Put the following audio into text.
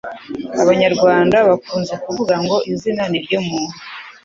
Abanyarwanda bakunze kuvuga ngo ‘izina ni ryo muntu’.